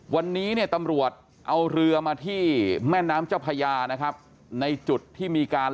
วันนี้เนี่ยตำรวจเอาเรือมาที่แม่น้ำเจ้าพญานะครับในจุดที่มีการ